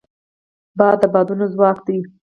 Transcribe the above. باد د بادبانو ځواک دی